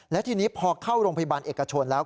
และทีนี้พอเข้าโรงพยาบาลเอกชนแล้ว